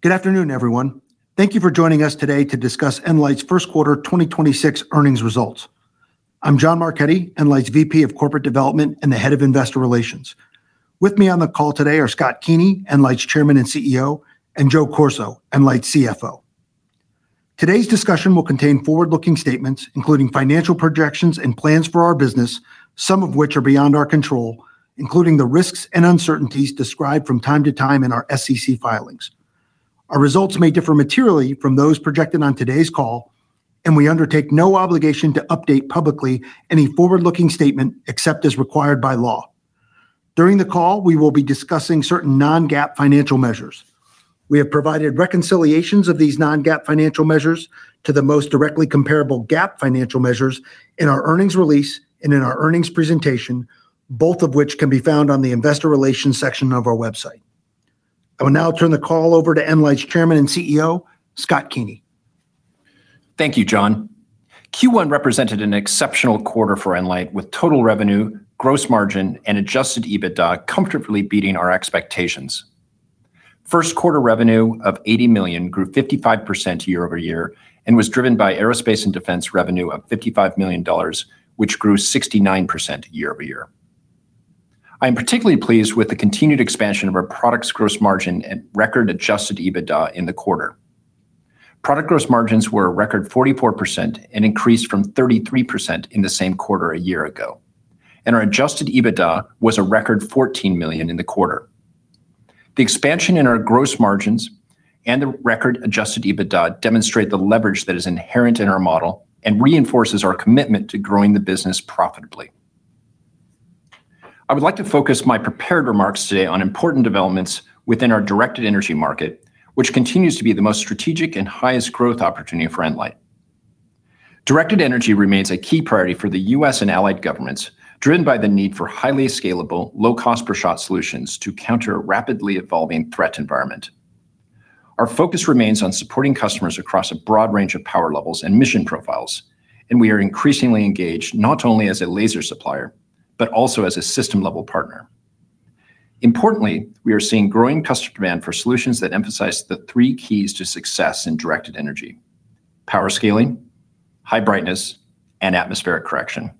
Good afternoon, everyone. Thank you for joining us today to discuss nLIGHT's Q1 2026 earnings results. I'm John Marchetti, nLIGHT's VP of Corporate Development and the Head of Investor Relations. With me on the call today are Scott Keeney, nLIGHT's Chairman and CEO, and Joseph Corso, nLIGHT's CFO. Today's discussion will contain forward-looking statements, including financial projections and plans for our business, some of which are beyond our control, including the risks and uncertainties described from time to time in our SEC filings. Our results may differ materially from those projected on today's call, and we undertake no obligation to update publicly any forward-looking statement except as required by law. During the call, we will be discussing certain non-GAAP financial measures. We have provided reconciliations of these non-GAAP financial measures to the most directly comparable GAAP financial measures in our earnings release and in our earnings presentation, both of which can be found on the investor relations section of our website. I will now turn the call over to nLIGHT's Chairman and CEO, Scott Keeney. Thank you, John. Q1 represented an exceptional quarter for nLIGHT, with total revenue, gross margin, and adjusted EBITDA comfortably beating our expectations. Q1 revenue of $80 million grew 55% year-over-year and was driven by aerospace and defense revenue of $55 million, which grew 69% year-over-year. I am particularly pleased with the continued expansion of our products gross margin and record adjusted EBITDA in the quarter. Product gross margins were a record 44% and increased from 33% in the same quarter a year ago. Our adjusted EBITDA was a record $14 million in the quarter. The expansion in our gross margins and the record adjusted EBITDA demonstrate the leverage that is inherent in our model and reinforces our commitment to growing the business profitably. I would like to focus my prepared remarks today on important developments within our directed energy market, which continues to be the most strategic and highest growth opportunity for nLIGHT. Directed energy remains a key priority for the U.S. and allied governments, driven by the need for highly scalable, low cost per shot solutions to counter a rapidly evolving threat environment. Our focus remains on supporting customers across a broad range of power levels and mission profiles, and we are increasingly engaged not only as a laser supplier, but also as a system-level partner. Importantly, we are seeing growing customer demand for solutions that emphasize the three keys to success in directed energy, power scaling, high brightness, and atmospheric correction.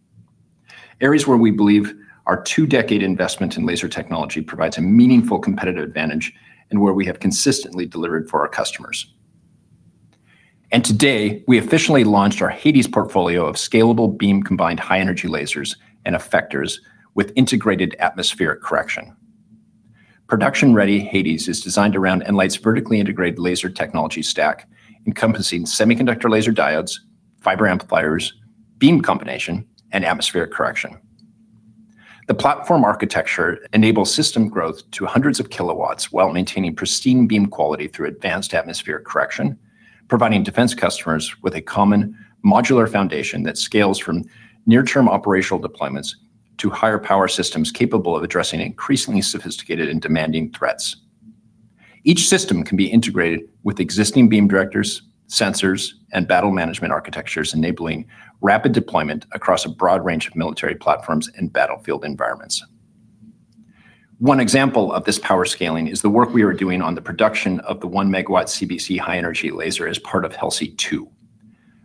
Areas where we believe our two-decade investment in laser technology provides a meaningful competitive advantage and where we have consistently delivered for our customers. Today, we officially launched our HADES portfolio of scalable beam combined high energy lasers and effectors with integrated atmospheric correction. Production-ready HADES is designed around nLIGHT's vertically integrated laser technology stack, encompassing semiconductor laser diodes, fiber amplifiers, beam combination, and atmospheric correction. The platform architecture enables system growth to hundreds of kilowatts while maintaining pristine beam quality through advanced atmospheric correction, providing defense customers with a common modular foundation that scales from near-term operational deployments to higher power systems capable of addressing increasingly sophisticated and demanding threats. Each system can be integrated with existing beam directors, sensors, and battle management architectures, enabling rapid deployment across a broad range of military platforms and battlefield environments. One example of this power scaling is the work we are doing on the production of the 1 megawatt CBC high energy laser as part of HELSI-2.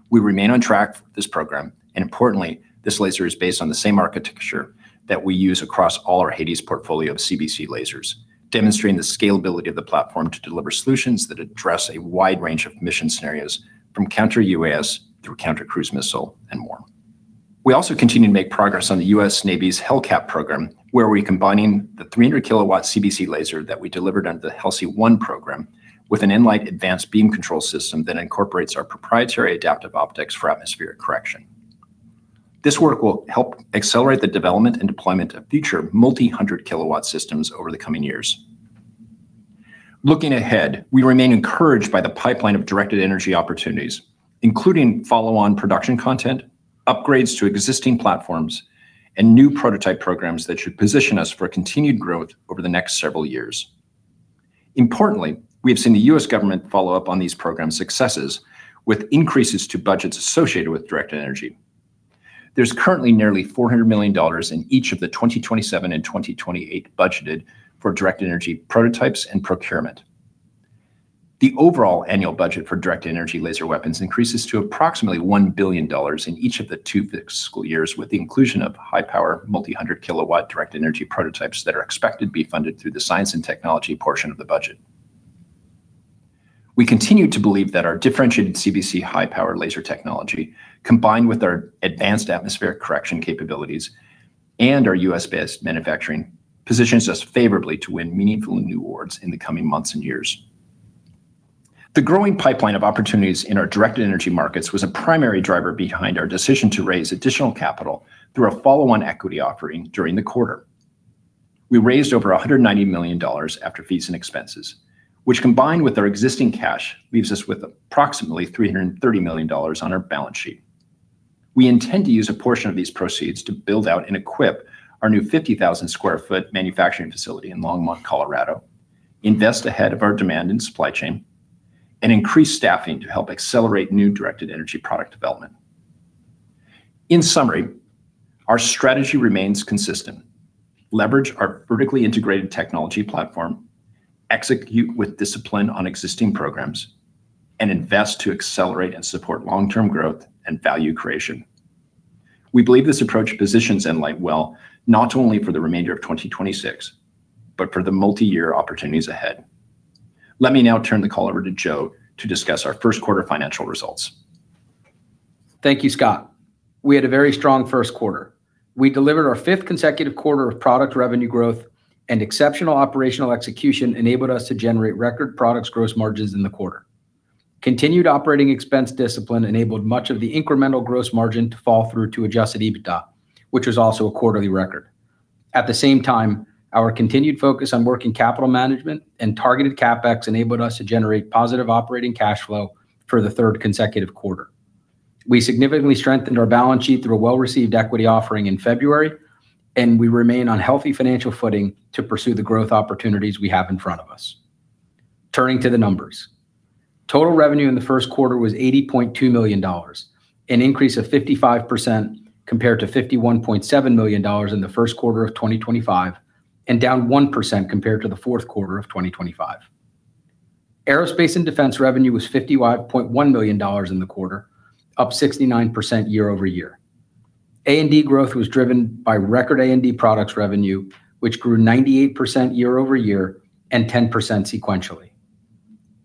We remain on track for this program, importantly, this laser is based on the same architecture that we use across all our HADES portfolio of CBC lasers, demonstrating the scalability of the platform to deliver solutions that address a wide range of mission scenarios from counter UAS through counter cruise missile and more. We also continue to make progress on the US Navy's HELCAP program, where we're combining the 300 kilowatt CBC laser that we delivered under the HELSI program with an nLIGHT advanced beam control system that incorporates our proprietary adaptive optics for atmospheric correction. This work will help accelerate the development and deployment of future multi-hundred kilowatt systems over the coming years. Looking ahead, we remain encouraged by the pipeline of directed energy opportunities, including follow-on production content, upgrades to existing platforms, and new prototype programs that should position us for continued growth over the next several years. Importantly, we have seen the U.S. government follow up on these program successes with increases to budgets associated with directed energy. There's currently nearly $400 million in each of the 2027 and 2028 budgeted for directed energy prototypes and procurement. The overall annual budget for directed energy laser weapons increases to approximately $1 billion in each of the two fiscal years with the inclusion of high power multi-hundred kilowatt directed energy prototypes that are expected to be funded through the science and technology portion of the budget. We continue to believe that our differentiated CBC high power laser technology, combined with our advanced atmospheric correction capabilities and our U.S.-based manufacturing, positions us favorably to win meaningful new awards in the coming months and years. The growing pipeline of opportunities in our directed energy markets was a primary driver behind our decision to raise additional capital through a follow-on equity offering during the quarter. We raised over $190 million after fees and expenses, which combined with our existing cash, leaves us with approximately $330 million on our balance sheet. We intend to use a portion of these proceeds to build out and equip our new 50,000 sq ft manufacturing facility in Longmont, Colorado, invest ahead of our demand and supply chain, and increase staffing to help accelerate new directed energy product development. In summary, our strategy remains consistent. Leverage our vertically integrated technology platform, execute with discipline on existing programs, and invest to accelerate and support long-term growth and value creation. We believe this approach positions nLIGHT well, not only for the remainder of 2026, but for the multi-year opportunities ahead. Let me now turn the call over to Joe to discuss our Q1 financial results. Thank you, Scott. We had a very strong Q1. We delivered our fifth consecutive quarter of product revenue growth and exceptional operational execution enabled us to generate record products gross margins in the quarter. Continued operating expense discipline enabled much of the incremental gross margin to fall through to adjusted EBITDA, which was also a quarterly record. At the same time, our continued focus on working capital management and targeted CapEx enabled us to generate positive operating cash flow for the third consecutive quarter. We significantly strengthened our balance sheet through a well-received equity offering in February, and we remain on healthy financial footing to pursue the growth opportunities we have in front of us. Turning to the numbers. Total revenue in the Q1 was $80.2 million, an increase of 55% compared to $51.7 million in the Q1 of 2025 and down 1% compared to the Q4 of 2025. Aerospace and Defense revenue was $51.1 million in the quarter, up 69% year-over-year. A&D growth was driven by record A&D products revenue, which grew 98% year-over-year and 10% sequentially.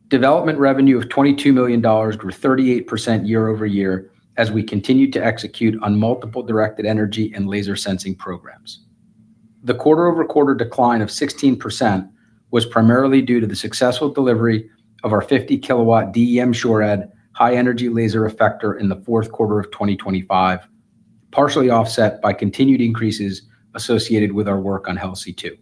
Development revenue of $22 million grew 38% year-over-year as we continued to execute on multiple directed energy and laser sensing programs. The quarter-over-quarter decline of 16% was primarily due to the successful delivery of our 50 kW DE M-SHORAD high energy laser effector in the Q4 of 2025, partially offset by continued increases associated with our work on HELCAP.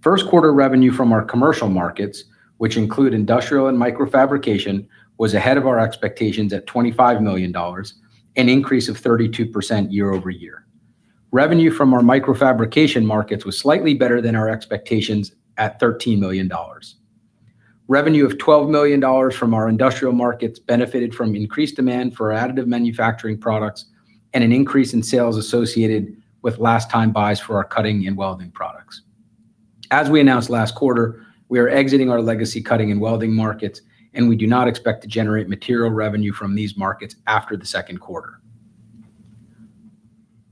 Q1 revenue from our commercial markets, which include industrial and microfabrication, was ahead of our expectations at $25 million, an increase of 32% year-over-year. Revenue from our microfabrication markets was slightly better than our expectations at $13 million. Revenue of $12 million from our industrial markets benefited from increased demand for our additive manufacturing products and an increase in sales associated with last time buys for our cutting and welding products. As we announced last quarter, we are exiting our legacy cutting and welding markets, and we do not expect to generate material revenue from these markets after the Q2.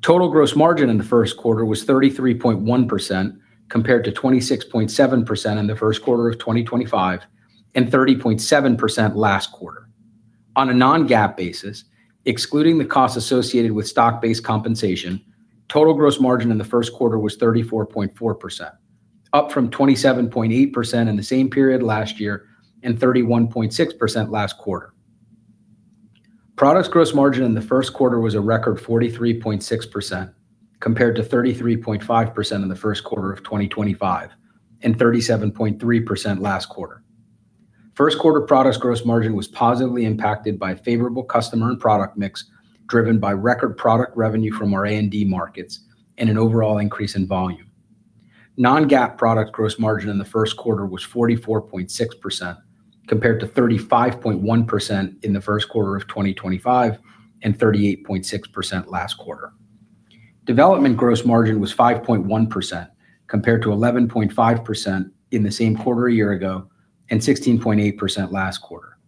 Total gross margin in the Q1 was 33.1% compared to 26.7% in the Q1 of 2025 and 30.7% last quarter. On a non-GAAP basis, excluding the costs associated with stock-based compensation, total gross margin in the Q1 was 34.4%, up from 27.8% in the same period last year and 31.6% last quarter. Products gross margin in the first quarter was a record 43.6% compared to 33.5% in the Q1 of 2025 and 37.3% last quarter. Q1 products gross margin was positively impacted by favorable customer and product mix, driven by record product revenue from our A&D markets and an overall increase in volume. Non-GAAP product gross margin in the first quarter was 44.6% compared to 35.1% in the first quarter of 2025 and 38.6% last quarter. Development gross margin was 5.1% compared to 11.5% in the same quarter a year ago and 16.8% last quarter.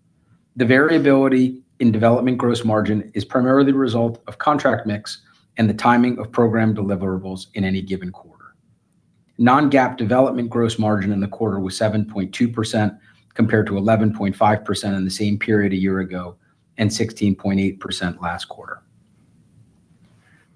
The variability in development gross margin is primarily the result of contract mix and the timing of program deliverables in any given quarter. Non-GAAP development gross margin in the quarter was 7.2% compared to 11.5% in the same period a year ago and 16.8% last quarter.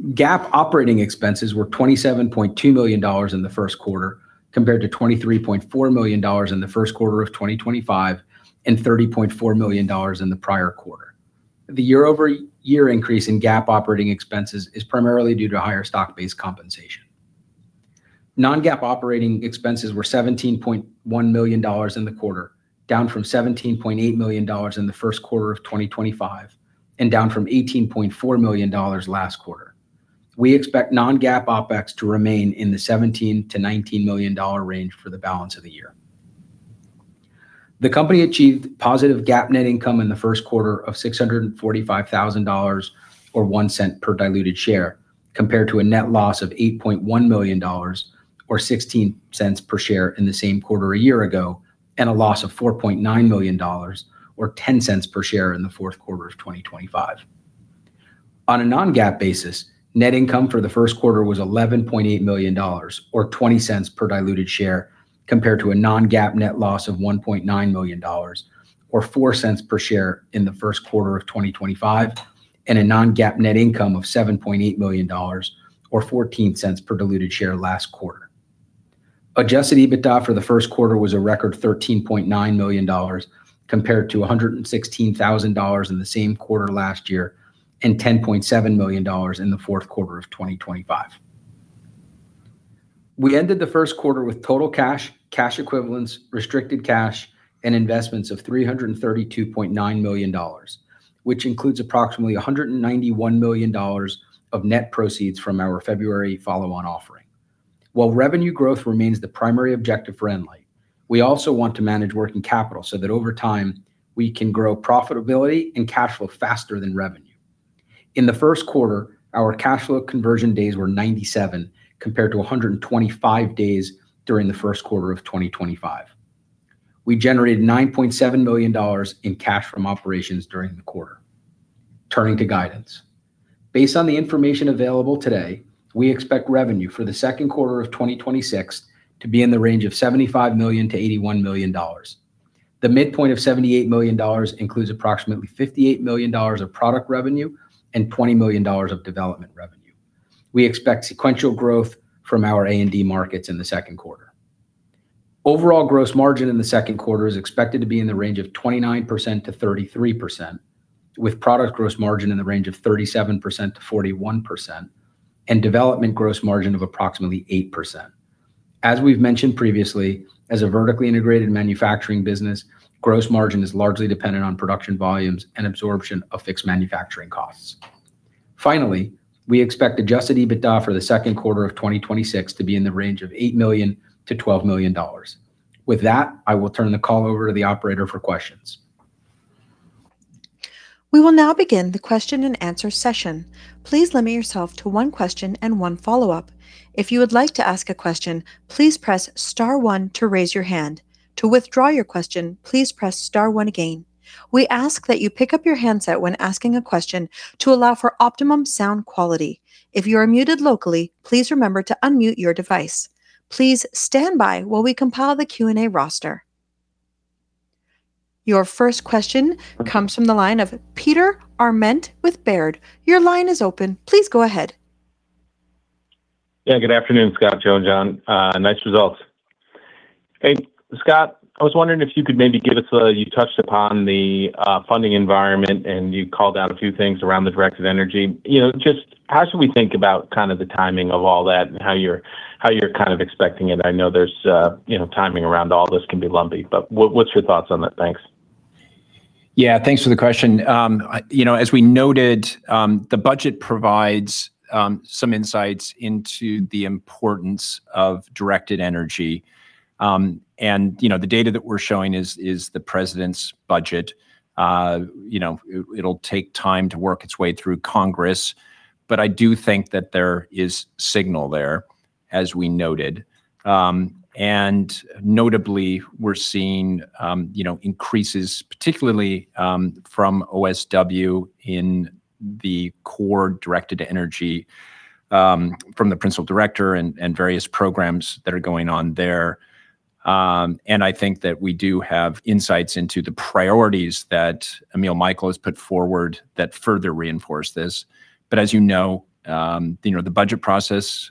GAAP operating expenses were $27.2 million in the first quarter compared to $23.4 million in the Q1 of 2025 and $30.4 million in the prior quarter. The year-over-year increase in GAAP operating expenses is primarily due to higher stock-based compensation. Non-GAAP operating expenses were $17.1 million in the quarter, down from $17.8 million in the Q1 of 2025 and down from $18.4 million last quarter. We expect non-GAAP OpEx to remain in the $17 million-$19 million range for the balance of the year. The company achieved positive GAAP net income in the first quarter of $645,000 or $0.01 per diluted share compared to a net loss of $8.1 million or $0.16 per share in the same quarter a year ago, and a loss of $4.9 million or $0.10 per share in the Q4 of 2025. On a non-GAAP basis, net income for the Q1 was $11.8 million or $0.20 per diluted share compared to a non-GAAP net loss of $1.9 million or $0.04 per share in the Q1 of 2025 and a non-GAAP net income of $7.8 million or $0.14 per diluted share last quarter. Adjusted EBITDA for the first quarter was a record $13.9 million compared to $116,000 in the same quarter last year and $10.7 million in the Q4 of 2025. We ended the Q1 with total cash equivalents, restricted cash, and investments of $332.9 million, which includes approximately $191 million of net proceeds from our February follow-on offering. While revenue growth remains the primary objective for nLIGHT, we also want to manage working capital so that over time we can grow profitability and cash flow faster than revenue. In the Q1, our cash flow conversion days were 97, compared to 125 days during the Q1 of 2025. We generated $9.7 million in cash from operations during the quarter. Turning to guidance. Based on the information available today, we expect revenue for the Q2 of 2026 to be in the range of $75 million to $81 million. The midpoint of $78 million includes approximately $58 million of product revenue and $20 million of development revenue. We expect sequential growth from our A&D markets in the Q2. Overall gross margin in the Q2 is expected to be in the range of 29%-33%, with product gross margin in the range of 37%-41%, and development gross margin of approximately 8%. As we've mentioned previously, as a vertically integrated manufacturing business, gross margin is largely dependent on production volumes and absorption of fixed manufacturing costs. Finally, we expect adjusted EBITDA for the Q2 of 2026 to be in the range of $8 million to $12 million. With that, I will turn the call over to the operator for questions. We will now begin the question and answer session. Please limit yourself to one question and one follow-up. If you would like to ask a question, please press star one to raise your hand. To withdraw your question, please press star one again. We ask that you pick up your handset when asking a question to allow for optimum sound quality. If you are muted locally, please remember to unmute your device. Please stand by while we compile the Q&A roster. Your first question comes from the line of Peter Arment with Baird. Your line is open. Please go ahead. Yeah, good afternoon, Scott, Joseph, and John. Nice results. Hey, Scott, I was wondering if you could maybe You touched upon the funding environment, and you called out a few things around the directed energy. You know, just how should we think about kind of the timing of all that and how you're kind of expecting it? I know there's, you know, timing around all this can be lumpy, but what's your thoughts on that? Thanks. Yeah. Thanks for the question. You know, as we noted, the budget provides some insights into the importance of directed energy. You know, the data that we're showing is the president's budget. You know, it'll take time to work its way through Congress. I do think that there is signal there, as we noted. Notably, we're seeing, you know, increases particularly from OSD in the core directed energy from the principal director and various programs that are going on there. I think that we do have insights into the priorities that Emil Michael has put forward that further reinforce this. As you know, you know, the budget process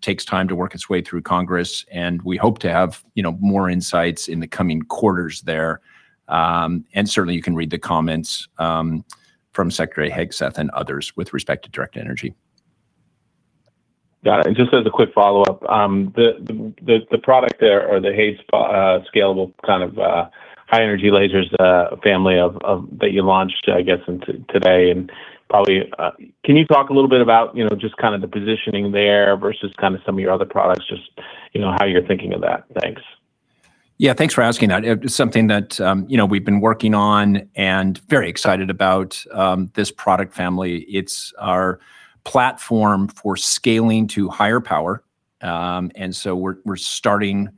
takes time to work its way through Congress, and we hope to have, you know, more insights in the coming quarters there. Certainly, you can read the comments from Secretary Hegseth and others with respect to directed energy. Got it. Just as a quick follow-up, the product there or the Hades scalable kind of high-energy lasers family of that you launched, I guess, into today and probably, can you talk a little bit about, you know, just kind of the positioning there versus kind of some of your other products, just, you know, how you're thinking of that? Thanks. Yeah. Thanks for asking that. It, something that, you know, we've been working on and very excited about, this product family. It's our platform for scaling to higher power. We're, we're starting,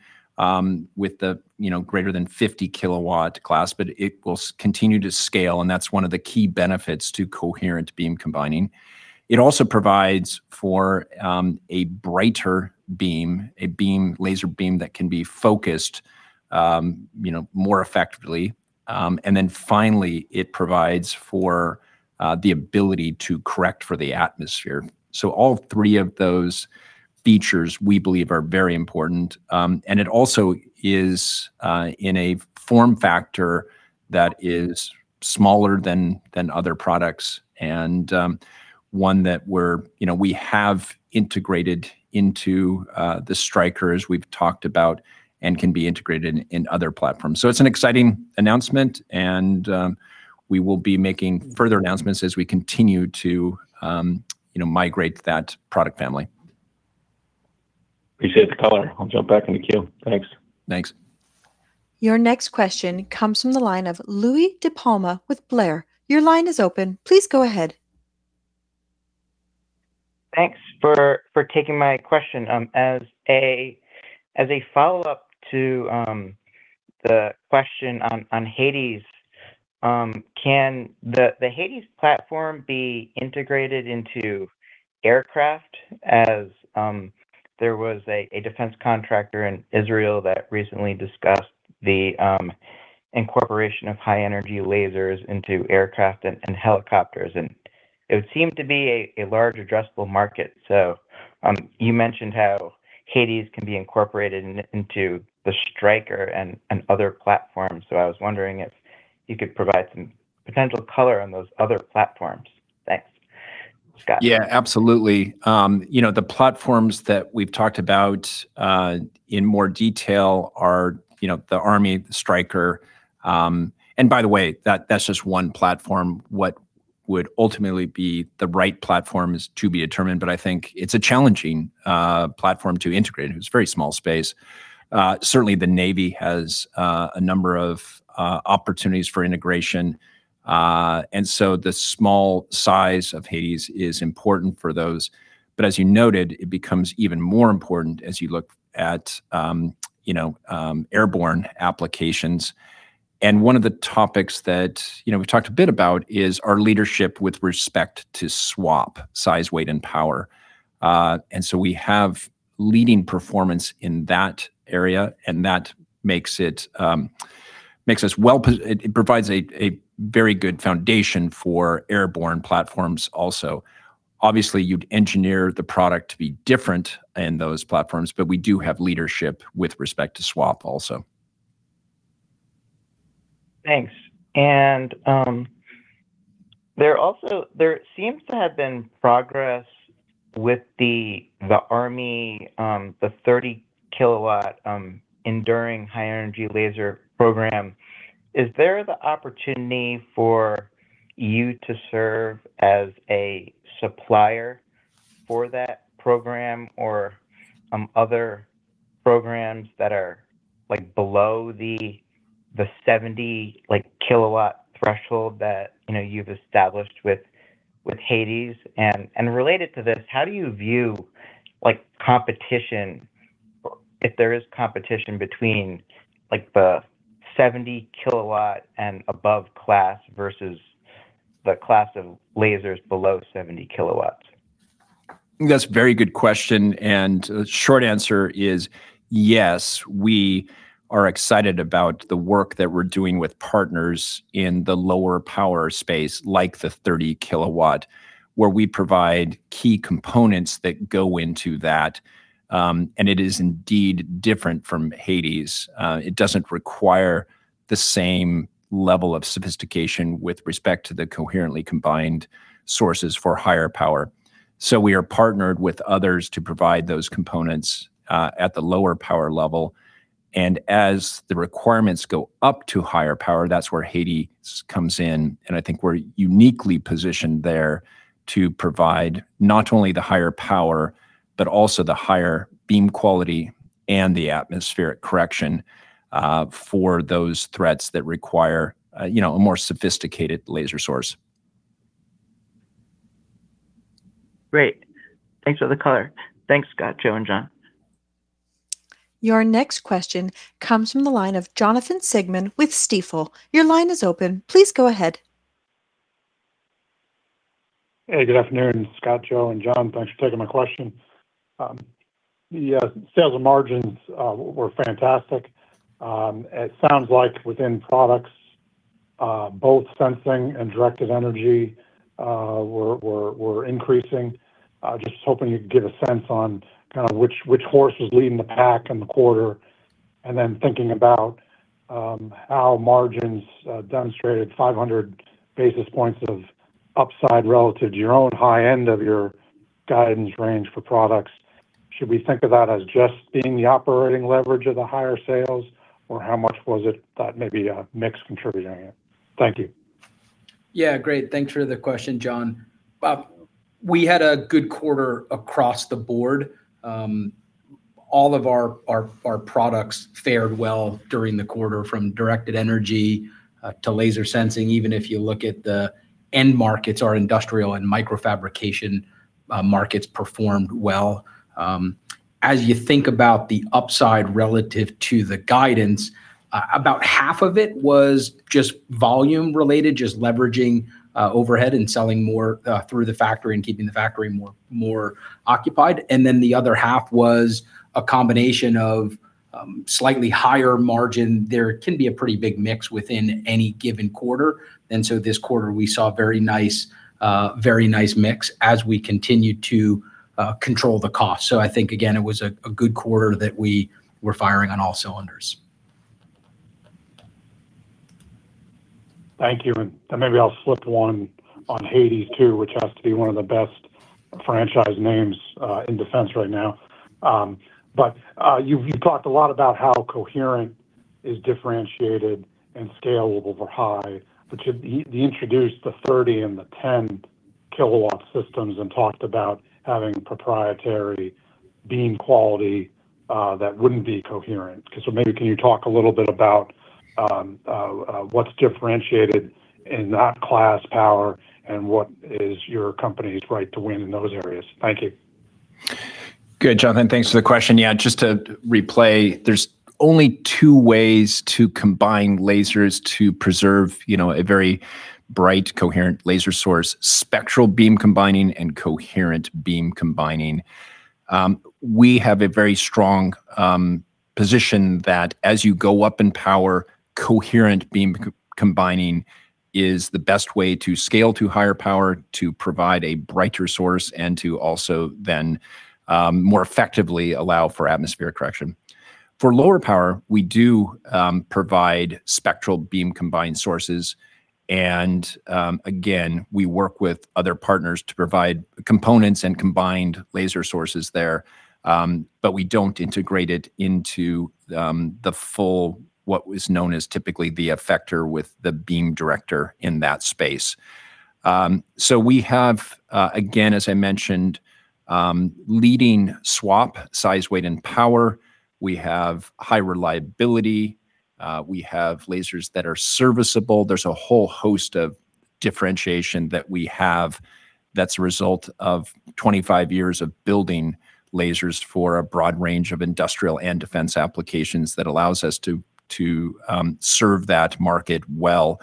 with the, you know, greater than 50 kilowatt class, but it will continue to scale, and that's one of the key benefits to coherent beam combining. It also provides for, a brighter beam, laser beam that can be focused, you know, more effectively. Finally, it provides for, the ability to correct for the atmosphere. All three of those features, we believe, are very important. It also is in a form factor that is smaller than other products and, you know, we have integrated into the Stryker, as we've talked about, and can be integrated in other platforms. It's an exciting announcement, and we will be making further announcements as we continue to, you know, migrate that product family. Appreciate the color. I'll jump back in the queue. Thanks. Thanks. Your next question comes from the line of Louie DiPalma with William Blair. Your line is open. Please go ahead. Thanks for taking my question. As a follow-up to the question on Hades, can the Hades platform be integrated into aircraft? As there was a defense contractor in Israel that recently discussed the incorporation of high-energy lasers into aircraft and helicopters. It would seem to be a large addressable market. You mentioned how Hades can be incorporated into the Stryker and other platforms. I was wondering if you could provide some potential color on those other platforms. Thanks. Scott. Yeah, absolutely. You know, the platforms that we've talked about in more detail are, you know, the Army, the Stryker. By the way, that's just one platform. Would ultimately be the right platforms to be determined, I think it's a challenging platform to integrate. It's a very small space. Certainly the US Navy has a number of opportunities for integration. The small size of Hades is important for those. As you noted, it becomes even more important as you look at, you know, airborne applications. One of the topics that, you know, we've talked a bit about is our leadership with respect to SWaP, size, weight, and power. We have leading performance in that area. It provides a very good foundation for airborne platforms also. Obviously, you'd engineer the product to be different in those platforms, we do have leadership with respect to SWaP also. Thanks. There also, there seems to have been progress with the Army, the 30 kW enduring high energy laser program. Is there the opportunity for you to serve as a supplier for that program or other programs that are, like, below the 70 kW threshold that, you know, you've established with HADES? And related to this, how do you view, like, competition, if there is competition between, like, the 70 kW and above class versus the class of lasers below 70 kW? That's a very good question. The short answer is yes, we are excited about the work that we're doing with partners in the lower power space, like the 30 kW, where we provide key components that go into that. It is indeed different from Hades. It doesn't require the same level of sophistication with respect to the coherently combined sources for higher power. We are partnered with others to provide those components at the lower power level. As the requirements go up to higher power, that's where Hades comes in, and I think we're uniquely positioned there to provide not only the higher power, but also the higher beam quality and the atmospheric correction for those threats that require, you know, a more sophisticated laser source. Great. Thanks for the color. Thanks, Scott, Joseph, and John. Your next question comes from the line of Jonathan Siegmann with Stifel. Your line is open. Please go ahead. Good afternoon, Scott, Joseph, and John. Thanks for taking my question. The sales and margins were fantastic. It sounds like within products, both sensing and directed energy were increasing. Just hoping you could give a sense on kind of which horse was leading the pack in the quarter. Thinking about how margins demonstrated 500 basis points of upside relative to your own high end of your guidance range for products. Should we think of that as just being the operating leverage of the higher sales, or how much was it that maybe mix contributing it? Thank you. Yeah. Great. Thanks for the question, John. We had a good quarter across the board. All of our products fared well during the quarter from directed energy to laser sensing. Even if you look at the end markets, our industrial and microfabrication markets performed well. As you think about the upside relative to the guidance, about half of it was just volume related, just leveraging overhead and selling more through the factory and keeping the factory more occupied. The other half was a combination of slightly higher margin. There can be a pretty big mix within any given quarter. This quarter, we saw very nice mix as we continued to control the cost. I think, again, it was a good quarter that we were firing on all cylinders. Thank you. Maybe I'll flip one on Hades too, which has to be one of the best franchise names in defense right now. You've talked a lot about how coherent is differentiated and scalable for high. You introduced the 30 and the 10 kW systems and talked about having proprietary beam quality that wouldn't be coherent. Maybe can you talk a little bit about what's differentiated in that class power and what is your company's right to win in those areas? Thank you. Good, Jonathan. Thanks for the question. Just to replay, there's only two ways to combine lasers to preserve, you know, a very bright, coherent laser source, spectral beam combining and coherent beam combining. We have a very strong position that as you go up in power, coherent beam combining is the best way to scale to higher power to provide a brighter source to also then more effectively allow for atmospheric correction. For lower power, we do provide spectral beam combined sources. Again, we work with other partners to provide components and combined laser sources there. We don't integrate it into the full what was known as typically the effector with the beam director in that space. Again, as I mentioned, leading SWaP size, weight, and power. We have high reliability. We have lasers that are serviceable. There's a whole host of differentiation that we have that's a result of 25 years of building lasers for a broad range of industrial and defense applications that allows us to serve that market well.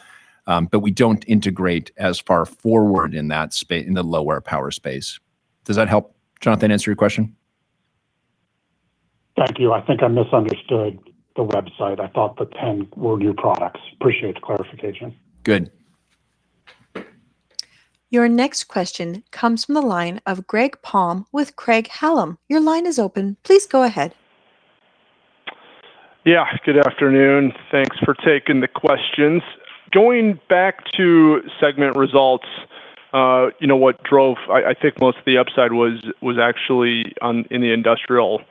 We don't integrate as far forward in the lower power space. Does that help, Jonathan, answer your question? Thank you. I think I misunderstood the website. I thought the 10 were new products. Appreciate the clarification. Good. Your next question comes from the line of Greg Palm with Craig-Hallum. Your line is open. Please go ahead. Good afternoon. Thanks for taking the questions. Going back to segment results, you know, what drove, I think most of the upside was actually on, in the industrial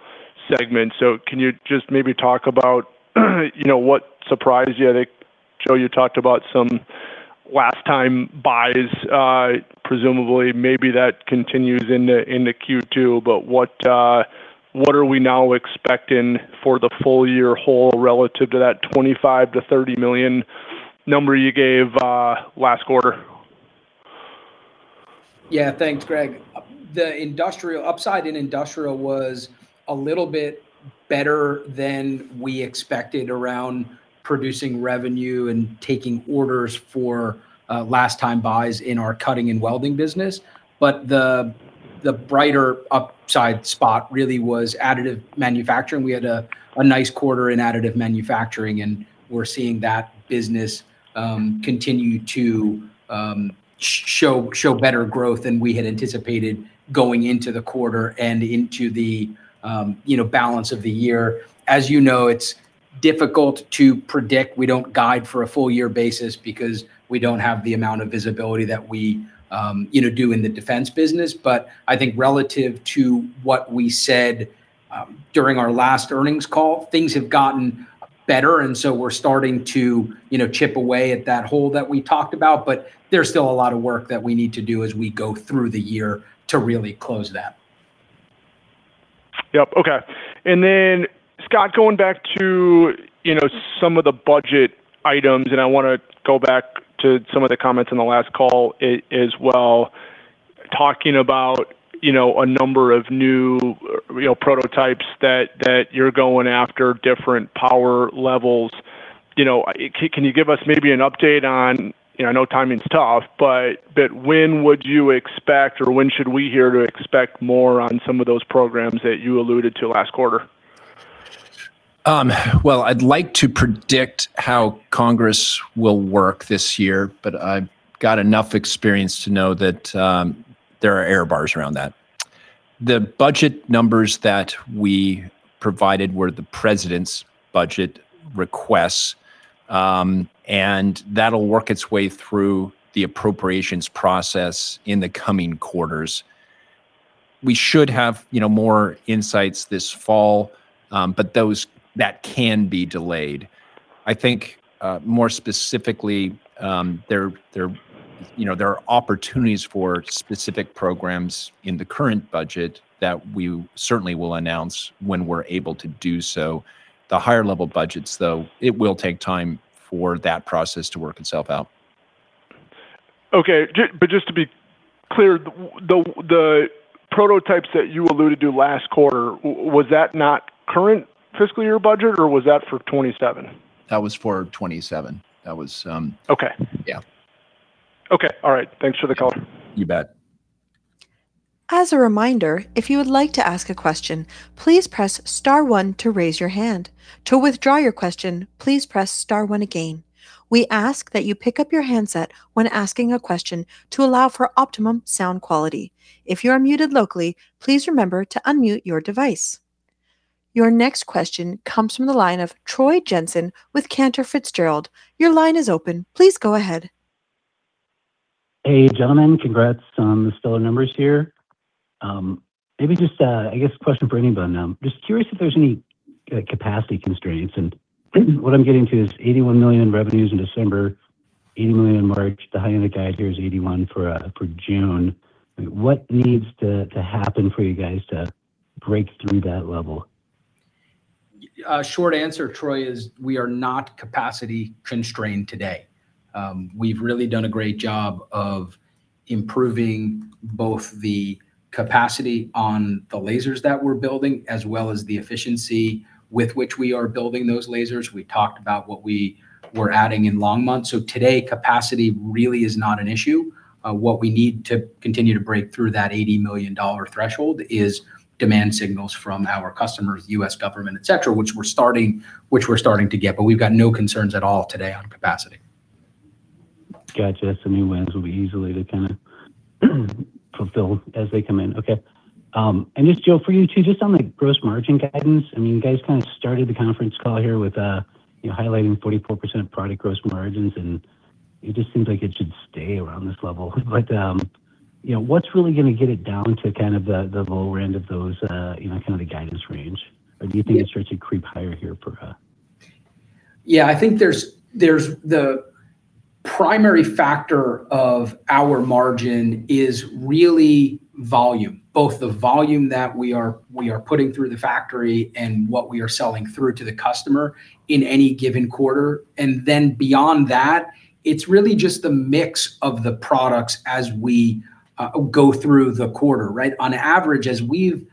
segment. Can you just maybe talk about, you know, what surprised you? I think, Joe, you talked about some last time buys, presumably maybe that continues in the Q2. What are we now expecting for the full year relative to that $25 million to $30 million number you gave last quarter? Yeah, thanks, Greg. The industrial, upside in industrial was a little bit better than we expected around producing revenue and taking orders for last time buys in our cutting and welding business. The, the brighter upside spot really was additive manufacturing. We had a nice quarter in additive manufacturing, we're seeing that business continue to show better growth than we had anticipated going into the quarter and into the, you know, balance of the year. As you know, it's difficult to predict. We don't guide for a full year basis because we don't have the amount of visibility that we, you know, do in the defense business. I think relative to what we said, during our last earnings call, things have gotten better, and so we're starting to, you know, chip away at that hole that we talked about. There's still a lot of work that we need to do as we go through the year to really close that. Yep. Okay. Then Scott, going back to, you know, some of the budget items, and I wanna go back to some of the comments on the last call as well, talking about, you know, a number of new, you know, prototypes that you're going after, different power levels. You know, can you give us maybe an update on, you know, I know timing's tough, but when would you expect, or when should we hear to expect more on some of those programs that you alluded to last quarter? Well, I'd like to predict how Congress will work this year, but I've got enough experience to know that there are error bars around that. The budget numbers that we provided were the president's budget requests. That'll work its way through the appropriations process in the coming quarters. We should have, you know, more insights this fall. That can be delayed. I think, more specifically, you know, there are opportunities for specific programs in the current budget that we certainly will announce when we're able to do so. The higher level budgets, though, it will take time for that process to work itself out. Okay. Just to be clear, the prototypes that you alluded to last quarter, was that not current fiscal year budget, or was that for 2027? That was for 2027. That was. Okay. Yeah. Okay. All right. Thanks for the call. You bet. As a reminder, if you would like to ask a question, please press star one to raise your hand. To withdraw your question, please press star one again. We ask that you pick up your handset when asking a question to allow for optimum sound quality. If you are muted locally, please remember to unmute your device. Your next question comes from the line of Troy Jensen with Cantor Fitzgerald. Your line is open. Please go ahead. Hey, gentlemen. Congrats on the stellar numbers here. Maybe just a, I guess, question for anybody. I'm just curious if there's any capacity constraints. What I'm getting to is $81 million revenues in December, $80 million in March. The high end of the guide here is $81 for June. What needs to happen for you guys to break through that level? Short answer, Troy, is we are not capacity constrained today. We've really done a great job of improving both the capacity on the lasers that we're building as well as the efficiency with which we are building those lasers. We talked about what we were adding in Longmont. Today, capacity really is not an issue. What we need to continue to break through that $80 million threshold is demand signals from our customers, U.S. government, et cetera, which we're starting to get. We've got no concerns at all today on capacity. Gotcha. New wins will be easy to kind of fulfill as they come in. Okay. Just, Joseph, for you too, just on, like, gross margin guidance. I mean, you guys kind of started the conference call here with, you know, highlighting 44% product gross margins, and it just seems like it should stay around this level. What's really gonna get it down to kind of the lower end of those, you know, kind of the guidance range? Or do you think it starts to creep higher here for? Yeah, I think there's the primary factor of our margin is really volume, both the volume that we are putting through the factory and what we are selling through to the customer in any given quarter. Beyond that, it's really just the mix of the products as we go through the quarter, right? On average, as we've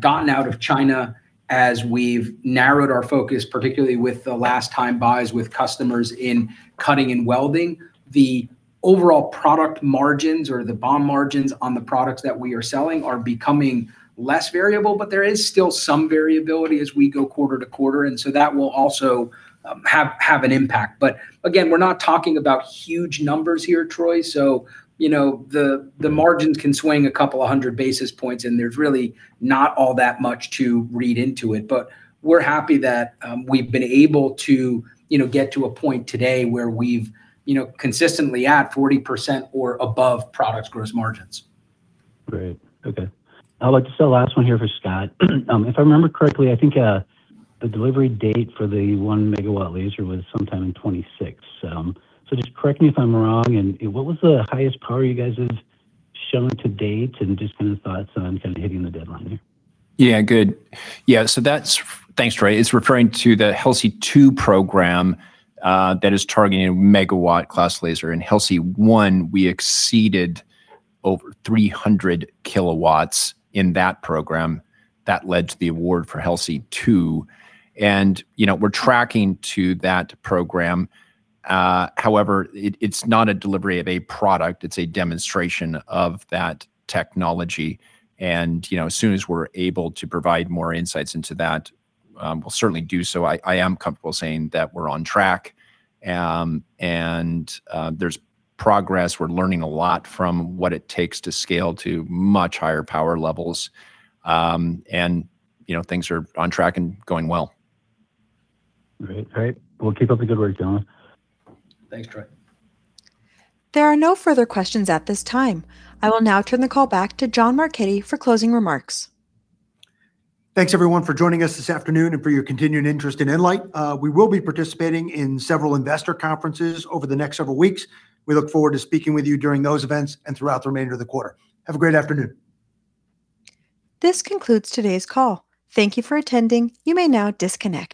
gotten out of China, as we've narrowed our focus, particularly with the last-time buys with customers in cutting and welding, the overall product margins or the BOM margins on the products that we are selling are becoming less variable, there is still some variability as we go quarter to quarter. That will also have an impact. Again, we're not talking about huge numbers here, Troy, so, you know, the margins can swing a couple of 100 basis points, and there's really not all that much to read into it. We're happy that we've been able to, you know, get to a point today where we've, you know, consistently at 40% or above products gross margins. Great. Okay. I'd like to sell last one here for Scott. If I remember correctly, I think the delivery date for the 1 megawatt laser was sometime in 2026. Just correct me if I'm wrong and what was the highest power you guys have shown to date and just kind of thoughts on kind of hitting the deadline there? Thanks, Troy. It's referring to the HELSI-2 program that is targeting a megawatt-class laser. In HELSI, we exceeded over 300 kilowatts in that program. That led to the award for HELSI-2. You know, we're tracking to that program. However, it's not a delivery of a product, it's a demonstration of that technology. You know, as soon as we're able to provide more insights into that, we'll certainly do so. I am comfortable saying that we're on track, there's progress. We're learning a lot from what it takes to scale to much higher power levels. You know, things are on track and going well. Great. Great. Well, keep up the good work, gentlemen. Thanks, Troy. There are no further questions at this time. I will now turn the call back to John Marchetti for closing remarks. Thanks everyone for joining us this afternoon and for your continued interest in nLIGHT. We will be participating in several investor conferences over the next several weeks. We look forward to speaking with you during those events and throughout the remainder of the quarter. Have a great afternoon. This concludes today's call. Thank you for attending. You may now disconnect.